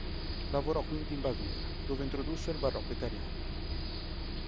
Lavorò quindi in Baviera, dove introdusse il Barocco italiano.